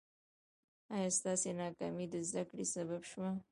ایا ستاسو ناکامي د زده کړې سبب شوه؟